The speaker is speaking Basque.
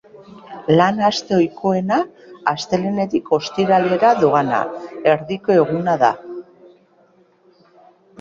Lan-aste ohikoena, astelehenetik ostiralera doana, erdiko eguna da.